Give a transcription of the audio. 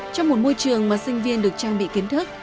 trong một môi trường mà sinh viên được trang bị kiến thức